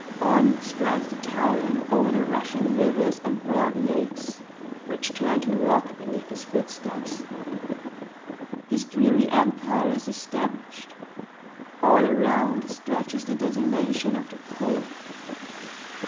On strides the tyrant over the rushing rivers and broad lakes, which turn to rock beneath his footsteps. His dreary empire is established; all around stretches the desolation of the Pole.